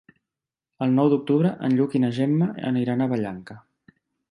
El nou d'octubre en Lluc i na Gemma aniran a Vallanca.